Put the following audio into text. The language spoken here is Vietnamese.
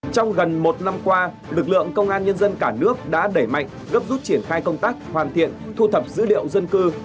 trong gần một năm qua lực lượng công an nhân dân cả nước đã đẩy mạnh gấp rút triển khai công tác hoàn thiện thu thập dữ liệu dân cư